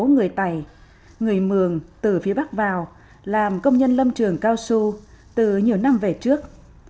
năm hai nghìn bảy người mường từ phía bắc vào làm công nhân lâm trường cao su từ nhiều năm về trước